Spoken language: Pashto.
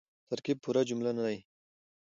ترکیب پوره جمله نه يي.